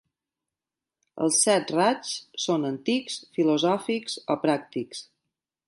Els set raigs són antics, filosòfics o pràctics.